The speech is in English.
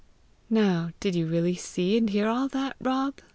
"Now did you really see and hear all that, Rob?"